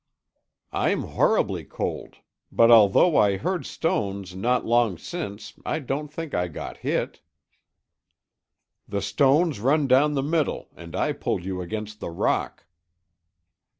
"I'm horribly cold, but although I heard stones not long since I don't think I got hit." "The stones run down the middle and I pulled you against the rock."